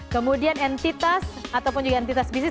kemudian entitas ataupun juga entitas bisnis